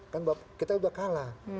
kan kita sudah kalah